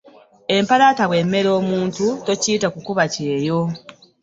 Empalata bwemera omuntu tokiyita okukuba ekyeyo .